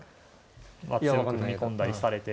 まあ強く踏み込んだりされて。